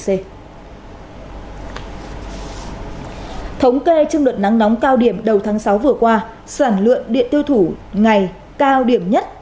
thống kê trong đợt nắng nóng cao điểm đầu tháng sáu vừa qua sản lượng điện tiêu thủ ngày cao điểm nhất